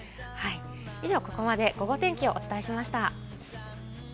以上、ここまでゴゴ天気をお伝えしました。